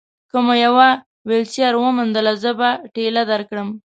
که مو یوه ویلچېر وموندله، زه به ټېله درکړم.